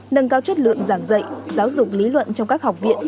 nâng cao chất lượng giảng dạy giáo dục lý luận trong các học viện